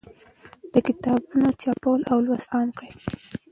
د کتابونو چاپول او لوستل عام کړئ.